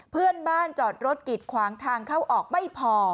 เพื่อนบ้านจอดรถกิดขวางทางเข้าออกไม่พอ